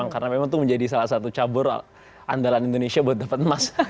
karena memang tuh menjadi salah satu cabur andalan indonesia buat dapat emas